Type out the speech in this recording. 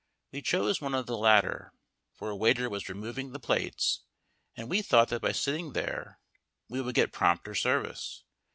We chose one of the latter, for a waiter was removing the plates, and we thought that by sitting there we would get prompter service.